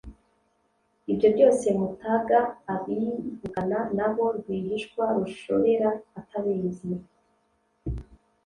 Ibyo byose Mutaga abivugana na bo rwihishwa Rushorera atabizi,